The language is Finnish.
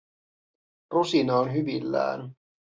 Rosina on hyvillään.